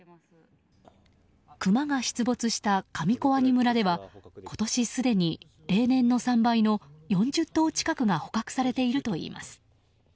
クマが出没した上小阿仁村では今年すでに、例年の３倍の４０頭近くが捕獲されているといいます。